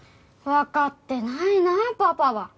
わかってないなパパは。